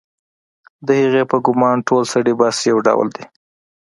د هغې په ګومان ټول سړي بس یو ډول دي